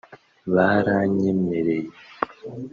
baranyemereye